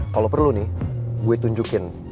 kalau perlu nih gue tunjukin